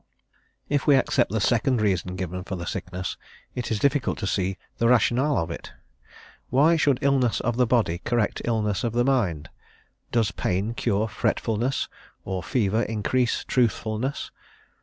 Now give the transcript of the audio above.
If we accept the second reason given for the sickness, it is difficult to see the rationale of it. Why should illness of the body correct illness of the mind; does pain cure fretfulness, or fever increase truthfulness?